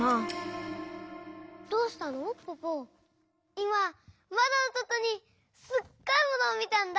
いままどのそとにすっごいものをみたんだ！